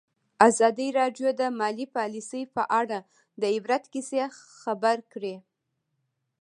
ازادي راډیو د مالي پالیسي په اړه د عبرت کیسې خبر کړي.